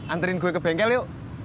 anterin gue ke bengkel yuk